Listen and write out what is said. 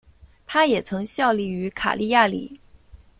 他也曾效力于卡利亚里。